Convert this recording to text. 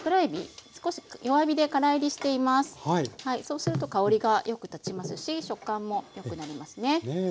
そうすると香りがよく立ちますし食感もよくなりますね。